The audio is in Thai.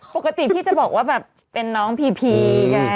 ปกติพี่จะบอกว่าแบบเป็นน้องพีพีไง